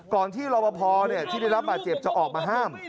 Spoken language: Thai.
ที่รอบพอที่ได้รับบาดเจ็บจะออกมาห้าม